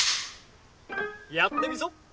やってみそ！